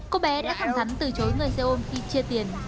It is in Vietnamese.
cô bé đã thẳng thắn từ chối người xe ôm khi chia tiền